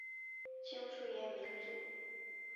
清初沿明制。